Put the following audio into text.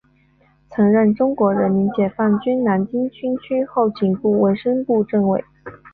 曾任中国人民解放军南京军区后勤部卫生部政委。